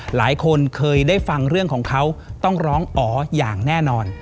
หลายคนเคยได้ฟังเรื่องของเขาต้องร้องอ๋ออย่างแน่นอน